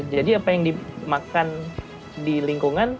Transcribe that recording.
jadi apa yang dimakan di lingkungan